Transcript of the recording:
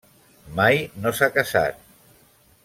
Mai no s'ha casat.